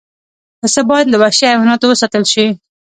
پسه باید له وحشي حیواناتو وساتل شي.